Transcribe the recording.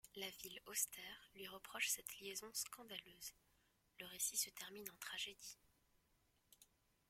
La ville austère lui reproche cette liaison scandaleuse… Le récit se termine en tragédie.